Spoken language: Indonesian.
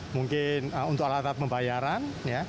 mungkin untuk alat alat pembayaran